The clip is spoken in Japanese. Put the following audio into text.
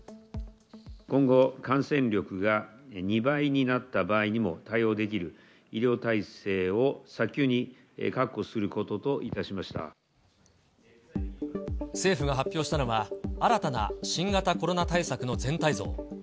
今後、感染力が２倍になった場合にも対応できる医療体制を早急に確保す政府が発表したのは、新たな新型コロナ対策の全体像。